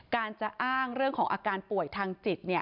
การจะอ้างเรื่องของอาการป่วยทางจิต